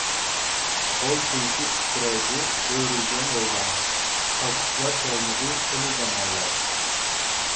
قول سىلكىپ تىترەيدۇ ئۆرۈلگەن ھويلام، كاككۇكلار كەلمىدى خېلى زامانلار.